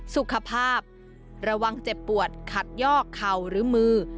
สุขภาพระวังเจ็บปวดขัดยอกเข่าหรือมือ